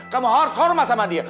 kamu harus hormat sama dia